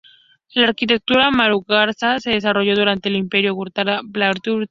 La arquitectura māru-gurjara se desarrolló durante el Imperio gurjara-pratihara.